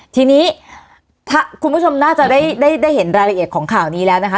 ทีนี้ถ้าคุณผู้ชมน่าจะได้เห็นรายละเอียดของข่าวนี้แล้วนะคะ